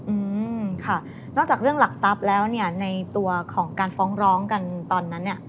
อืมค่ะนอกจากเรื่องหลักทรัพย์แล้วเนี่ยในตัวของการฟ้องร้องกันตอนนั้นเนี่ย